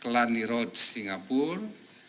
kelani road singapura